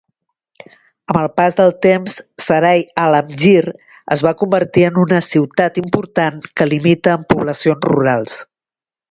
Amb el pas del temps, Sarai Alamgir es va convertir en una ciutat important que limita amb poblacions rurals.